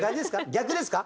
逆ですか？